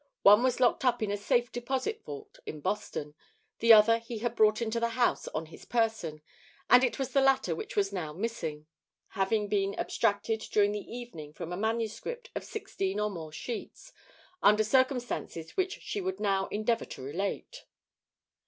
One was locked up in a safe deposit vault in Boston, the other he had brought into the house on his person, and it was the latter which was now missing, having been abstracted during the evening from a manuscript of sixteen or more sheets, under circumstances which she would now endeavour to relate.